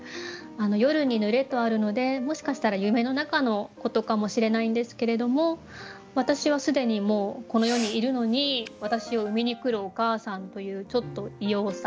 「夜に濡れ」とあるのでもしかしたら夢の中のことかもしれないんですけれども私は既にもうこの世にいるのに「わたしを産みにくるお母さん」というちょっと異様さ。